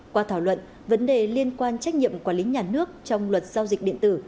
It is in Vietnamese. qua thảo luận vấn đề liên quan trách nhiệm quản lý nhà nước trong luật giao dịch điện tử